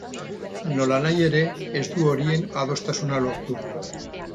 Nolanahi ere, ez du horien adostasuna lortu.